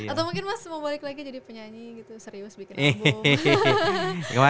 atau mungkin mas mau balik lagi jadi penyanyi serius